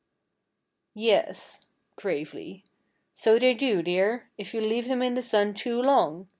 "Yes," gravely, "so they do, dear, if you leave them in the sun too long.